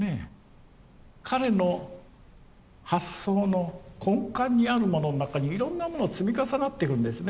彼の発想の根幹にあるものの中にいろんなもの積み重なっているんですね。